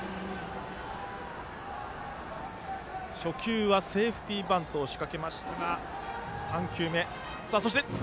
初球セーフティーバントを仕掛けました。